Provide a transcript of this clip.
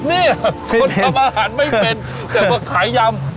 นี่คนทำอาหารไม่เป็นแต่มาขายยำ